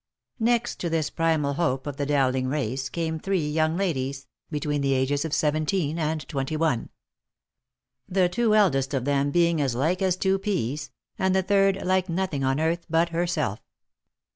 Next to this primal hope of the Dowling race, came three young ladies, between the ages of seventeen and twenty one; the two eldest of them being as like as two peas, and the third like nothing on earth but herself.